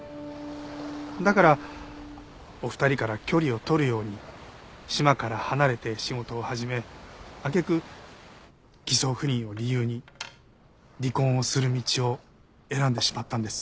だからお二人から距離を取るように島から離れて仕事を始め揚げ句偽装不倫を理由に離婚をする道を選んでしまったんです。